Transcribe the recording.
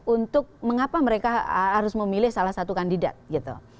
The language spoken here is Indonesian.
untuk mengapa mereka harus memilih salah satu kandidat gitu